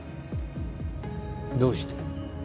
どうして？